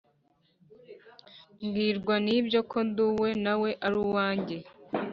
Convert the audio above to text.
Mbwirwa nibyo ko nduwe nawe ari uwanjye